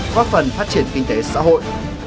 góp phần phát triển kinh tế xã hội